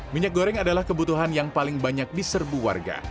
minyak goreng adalah kebutuhan yang paling banyak diserbu warga